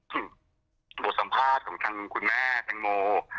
บทสัมภาษณ์ของทางคุณแม่แตงโม